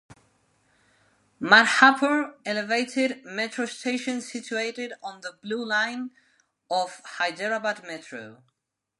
Madhapur elevated metro station situated on the Blue Line of Hyderabad Metro.